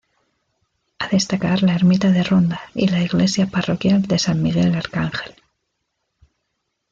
A destacar la ermita de Ronda y la iglesia parroquial de San Miguel Arcángel.